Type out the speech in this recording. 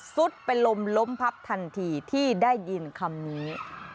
สุดเป็นลมล้มพับทันทีที่ได้ยินคำนี้